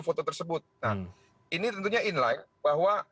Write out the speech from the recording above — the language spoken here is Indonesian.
foto tersebut ini tentunya inline bahwa